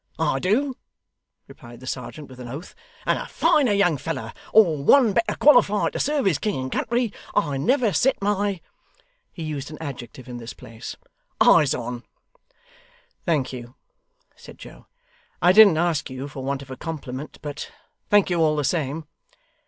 'I do,' replied the serjeant with an oath, 'and a finer young fellow or one better qualified to serve his king and country, I never set my ' he used an adjective in this place 'eyes on.' 'Thank you,' said Joe, 'I didn't ask you for want of a compliment, but thank you all the same.